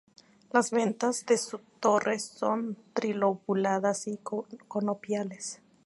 Las ventanas de su torre son trilobuladas y conopiales.